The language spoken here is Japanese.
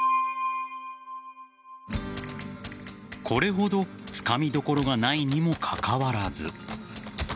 これほど、つかみどころがないにもかかわらず。